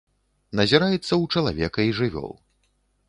Назіраецца ў чалавека і жывёл.